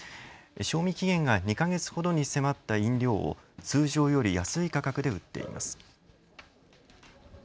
賞味期限が２か月ほどに迫った飲料を通常より安い価格で売っています。